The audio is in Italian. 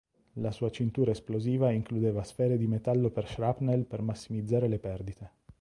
La sua cintura esplosiva includeva sfere di metallo per shrapnel per massimizzare le perdite.